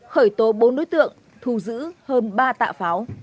khởi tố bốn đối tượng thu giữ hơn ba tạ pháo